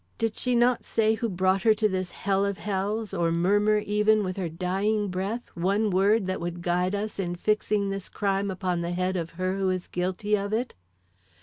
"Did she not say who brought her to this hell of hells, or murmur even with her dying breath, one word that would guide us in fixing this crime upon the head of her who is guilty of it?"